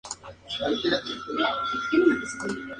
Actualmente es concejal de Bogotá.